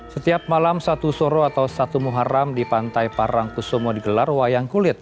setiap malam satu soro atau satu muharam di pantai parangkusomo digelar wayang kulit